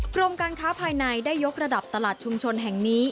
กรมการค้าภายในได้ยกระดับตลาดชุมชนแห่งนี้